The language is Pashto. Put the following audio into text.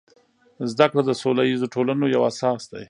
زده کړه د سوله ییزو ټولنو یو اساس دی.